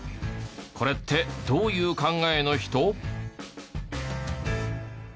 これってどういう考えの人？